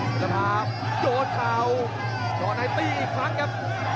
เมทรภาโยเทาต่อในตีอีกครั้งครับ